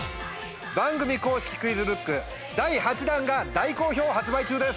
番組公式クイズブック第８弾が大好評発売中です。